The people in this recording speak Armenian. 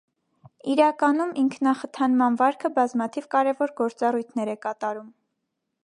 Իրականում ինքնախթանման վարքը բազմաթիվ կարևոր գործառույթներ է կատարում։